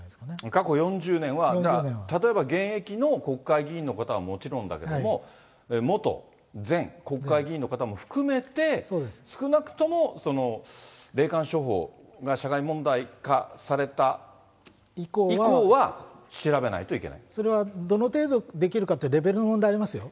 過去４０年は、例えば現役の国会議員の方はもちろんだけども、元、前、国会議員の方も含めて、少なくとも霊感商法が社会問題化された以降は、調べないといけなそれはどの程度できるかって、レベルの問題ありますよ。